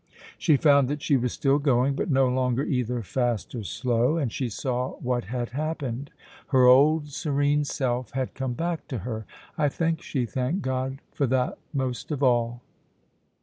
She found that she was still going, but no longer either fast or slow, and she saw what had happened: her old serene self had come back to her. I think she thanked God for that most of all.